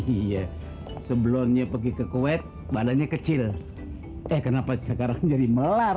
iya sebelumnya pergi ke kuet badannya kecil eh kenapa sekarang jadi melar